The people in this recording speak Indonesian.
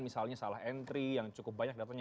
misalnya salah entry yang cukup banyak datangnya